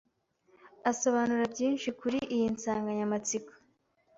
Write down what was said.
asobanura byinshi kuri iyi nsanganyamatsiko